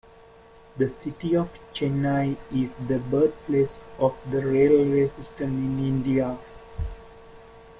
The city of Chennai is the birthplace of the railway system in India.